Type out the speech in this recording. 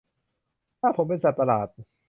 ถ้าผมเป็นสัตว์ประหลาด